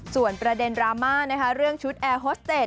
ส่วนประเด็นรามาเรื่องชุดแอร์ฮอสเจส